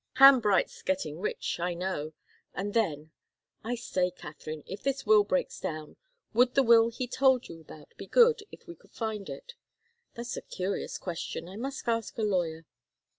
Ham Bright's getting rich, I know and then I say, Katharine, if this will breaks down, would the will he told you about be good, if we could find it? That's a curious question. I must ask a lawyer."